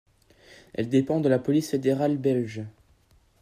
Elle dépend de la Police fédérale belge.